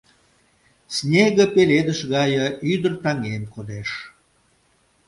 Снеге пеледыш гае ӱдыр-таҥем кодеш.